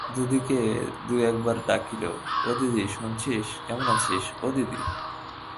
দিদিকে দু-একবার ডাকিল, ও দিদি শুনছিস, কেমন আছিস, ও দিদি?